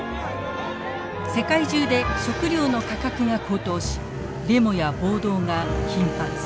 世界中で食料の価格が高騰しデモや暴動が頻発。